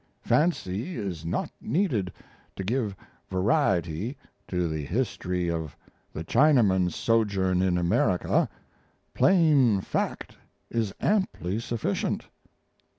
Fancy is not needed to give variety to the history of the Chinaman's sojourn in America. Plain fact is amply sufficient."